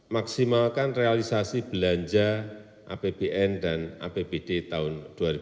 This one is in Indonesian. maksimalkan realisasi belanja apbn dan apbd tahun dua ribu dua puluh